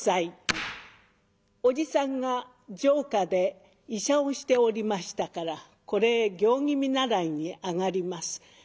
おじさんが城下で医者をしておりましたからこれへ行儀見習いに上がります。